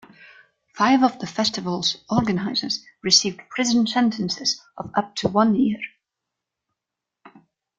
Five of the festival's organizers received prison sentences of up to one year.